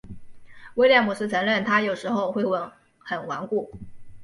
威廉姆斯承认他有时会很顽固。